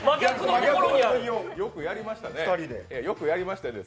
よくやりましたよね。